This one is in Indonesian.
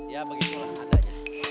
ya begitu lah adanya